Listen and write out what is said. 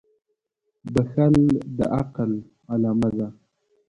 • بښل د عقل علامه ده.